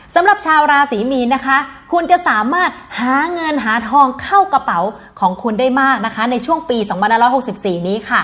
สำหรับชาวราศรีมีนนะคะคุณจะสามารถหาเงินหาทองเข้ากระเป๋าของคุณได้มากนะคะในช่วงปี๒๑๖๔นี้ค่ะ